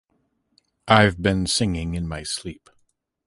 I’ve been singing in my sleep.